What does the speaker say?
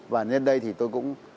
và nên đây thì tôi cũng